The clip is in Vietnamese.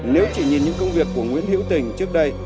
nếu chỉ nhìn những công việc của nguyễn hữu tình trước đây